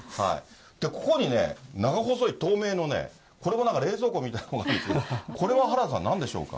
ここにね、長細い透明のね、これも冷蔵庫みたいなのがあるんですが、これは原田さん、なんでしょうか。